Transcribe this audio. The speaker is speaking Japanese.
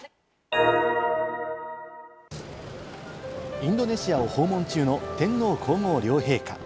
インドネシアを訪問中の天皇皇后両陛下。